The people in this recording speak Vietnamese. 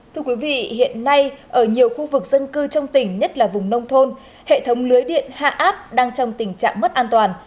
thưa quý vị hiện nay ở nhiều khu vực dân cư trong tỉnh nhất là vùng nông thôn hệ thống lưới điện hạ áp đang trong tình trạng mất an toàn